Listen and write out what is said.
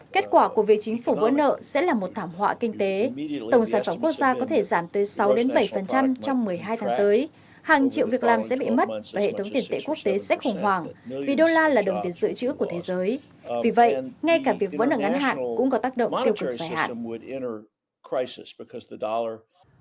kết quả của việc chính phủ vỡ nợ sẽ là một thảm họa kinh tế tổng sản phẩm quốc gia có thể giảm tới sáu bảy trong một mươi hai tháng tới hàng triệu việc làm sẽ bị mất và hệ thống tiền tệ quốc tế sẽ khủng hoảng vì đô la là đồng tiền dự trữ của thế giới vì vậy ngay cả việc vẫn ở ngắn hạn cũng có tác động tiêu cực dài hạn